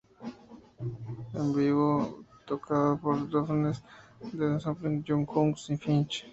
En vivo fue tocada por Deftones, The Sleeping, Young Guns y Finch.